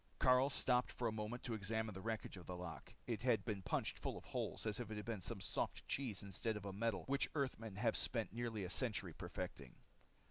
Karyl stopped for a moment to examine the wreckage of the lock. It had been punched full of holes as if it had been some soft cheese instead of a metal which Earthmen had spent nearly a century perfecting.